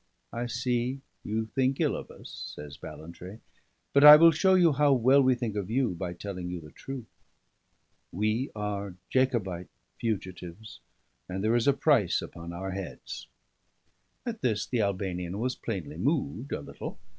"I see, you think ill of us," says Ballantrae, "but I will show you how well we think of you by telling you the truth. We are Jacobite fugitives, and there is a price upon our heads." At this the Albanian was plainly moved a little.